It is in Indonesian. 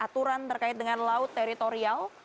aturan terkait dengan laut teritorial